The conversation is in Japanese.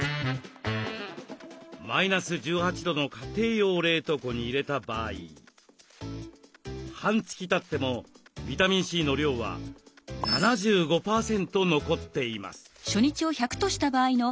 マイナス１８度の家庭用冷凍庫に入れた場合半月たってもビタミンＣの量は７５％残っています。